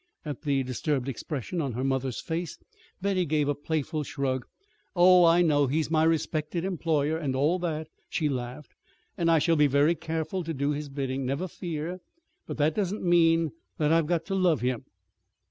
At the disturbed expression on her mother's face, Betty gave a playful shrug. "Oh, I know, he's my respected employer, and all that," she laughed; "and I shall be very careful to do his bidding. Never fear! But that doesn't mean that I've got to love him."